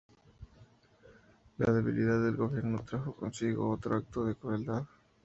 La debilidad del gobierno trajo consigo otro acto de crueldad.